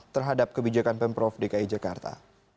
terhadap kebijakan pemprov dki jakarta